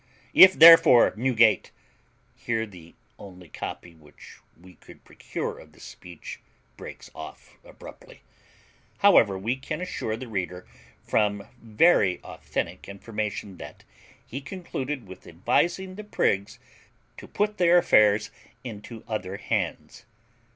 If, therefore, Newgate " Here the only copy which we could procure of this speech breaks off abruptly; however, we can assure the reader, from very authentic information, that he concluded with advising the prigs to put their affairs into other hands.